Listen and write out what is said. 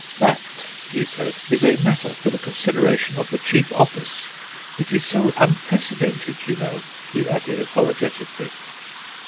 "That," he said, "is a matter for the consideration of the Chief Office." "It is so unprecedented, you know," he added apologetically.